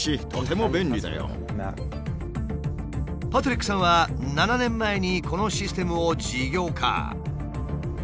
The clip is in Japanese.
パトリックさんは７年前にこのシステムを事業化。